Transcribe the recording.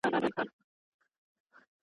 په سرونو کي يې شوردی !.